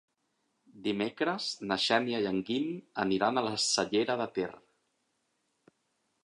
Dimecres na Xènia i en Guim aniran a la Cellera de Ter.